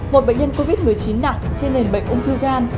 một bệnh nhân covid một mươi chín nặng trên nền bệnh ung thư gan